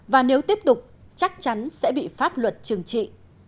và nếu tiếp tục chắc chắn sẽ bị pháp luật trừng trị